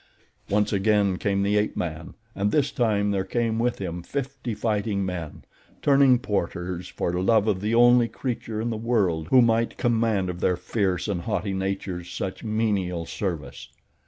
Once again came the ape man, and this time there came with him fifty fighting men, turning porters for love of the only creature in the world who might command of their fierce and haughty natures such menial service.